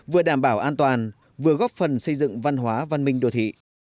vừa đảm bảo an toàn vừa góp phần xây dựng văn hóa văn minh đồ thị